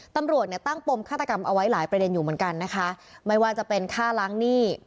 ตำรวจเนี่ยตั้งปมฆาตกรรมเอาไว้หลายประเด็นอยู่เหมือนกันนะคะไม่ว่าจะเป็นค่าล้างหนี้